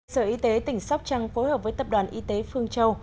sở y tế tỉnh sóc trăng phối hợp với tập đoàn y tế phương châu